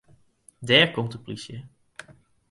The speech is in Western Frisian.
Dêr komt de plysje.